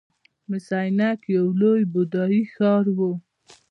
مس عینک یو لوی بودايي ښار و